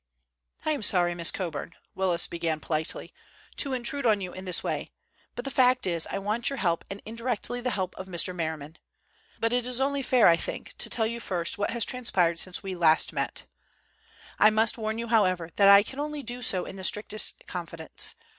"I am sorry, Miss Coburn," Willis began politely, "to intrude on you in this way, but the fact is, I want your help and indirectly the help of Mr. Merriman. But it is only fair, I think, to tell you first what has transpired since we last met. I must warn you, however, that I can only do so in the strictest confidence.